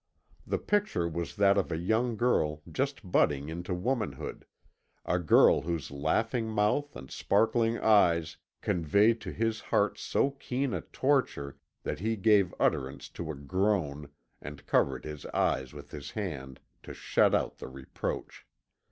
The picture was that of a young girl just budding into womanhood a girl whose laughing mouth and sparkling eyes conveyed to his heart so keen a torture that he gave utterance to a groan, and covered his eyes with his hand to shut out the reproach.